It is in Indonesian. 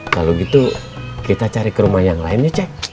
kalau gitu kita cari ke rumah yang lain ya ceng